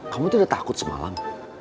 kamu tuh udah takut semalam